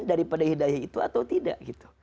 daripada hidayah itu atau tidak gitu